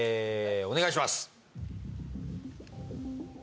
お願いします